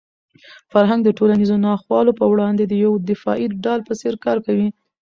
فرهنګ د ټولنیزو ناخوالو په وړاندې د یوې دفاعي ډال په څېر کار کوي.